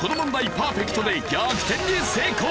パーフェクトで逆転に成功！